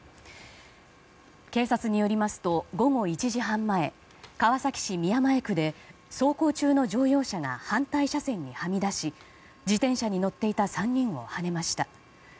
警察によりますと午後１時半前川崎市宮前区で走行中の乗用車が反対車線にはみ出し自転車に乗っていた３人をはねました。